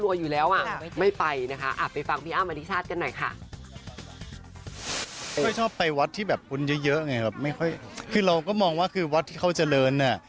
เราก็มองว่าวัดที่เขาเจริญ